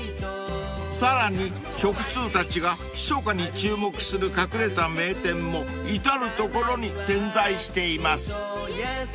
［さらに食通たちがひそかに注目する隠れた名店も至る所に点在しています］